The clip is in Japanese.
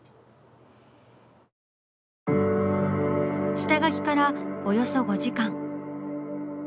下描きからおよそ５時間。